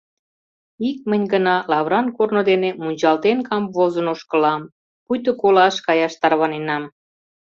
Ик мынь гына лавыран корно дене мунчалтен камвозын ошкылам, пуйто колаш каяш тарваненам.